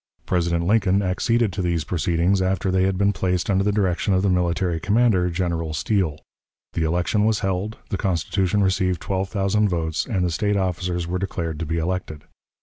President Lincoln acceded to these proceedings after they had been placed under the direction of the military commander, General Steele. The election was held, the Constitution received twelve thousand votes, and the State officers were declared to be elected.